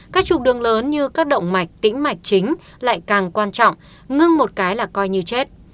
các trục đường lớn như các động mạch tĩnh mạch chính lại càng quan trọng ngưng một cái là coi như chết